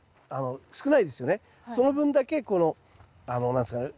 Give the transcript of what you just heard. その分だけこの何ですかね